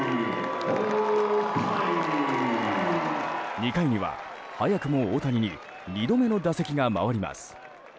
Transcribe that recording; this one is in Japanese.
２回には早くも大谷に２度目の打席が回ります。